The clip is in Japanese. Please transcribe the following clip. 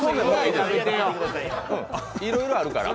いろいろあるから。